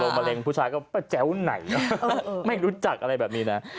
เห็นมาโรงมะเร็งผู้ชายก็ปะแจ๊วไหนไม่รู้จักอะไรแบบนี้นะ